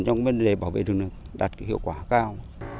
trong vấn đề bảo vệ rừng đạt hiệu quả cao